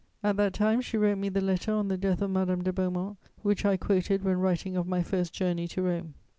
At that time she wrote me the letter on the death of Madame de Beaumont which I quoted when writing of my first journey to Rome.